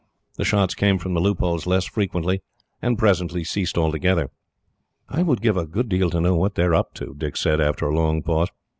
The shots came from the loopholes less frequently, and presently ceased altogether. "I would give a good deal to know what they are up to," Dick said, after a long pause.